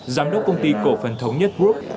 giám đốc công ty cổ phần thống nhất group